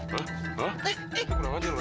itu kenapa aja lu ya